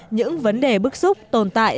những vấn đề bức xúc tồn tại